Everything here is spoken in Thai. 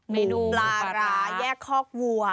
เมนูหมูปลาร้าหมูปลาร้าแยกคอกวัว